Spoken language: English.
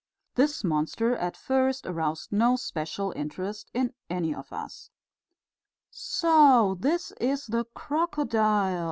This monster at first aroused no special interest in any one of us. "So this is the crocodile!"